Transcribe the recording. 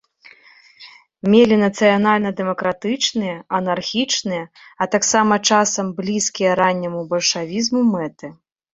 Мелі нацыянальна-дэмакратычныя, анархічныя, а таксама, часам, блізкія ранняму бальшавізму мэты.